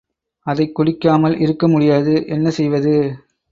அதைக் குடிக்காமல் இருக்கமுடியாது, என்ன செய்வது?